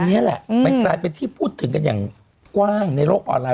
อันนี้แหละมันกลายเป็นที่พูดถึงกันอย่างกว้างในโลกออนไลน